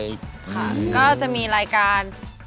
ค่ะก็จะมีรายการ